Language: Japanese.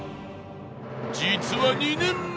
実は２年前